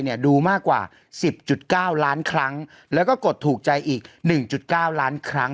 เนี่ยดูมากกว่าสิบจุดเก้าร้านครั้งแล้วก็กดถูกใจอีกหนึ่งจุดเก้าร้านครั้ง